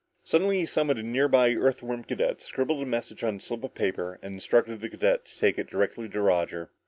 Suddenly he summoned a near by Earthworm cadet, scribbled a message on a slip of paper and instructed the cadet to take it directly to Roger.